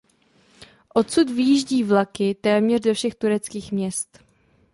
Odsud vyjíždí vlaky téměř do všech tureckým měst.